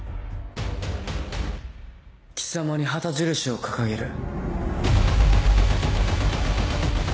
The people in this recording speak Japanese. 貴様に旗印を掲げる。